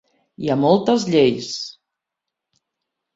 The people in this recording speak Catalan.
Hi ha moltes lleis.